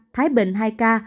thái bình hai ca